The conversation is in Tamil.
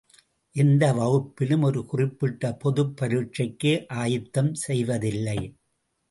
எந்த வகுப்பிலும் ஒரு குறிப்பிட்ட பொதுப் பரீட்சைக்கு ஆயத்தஞ் செய்வதில்லை.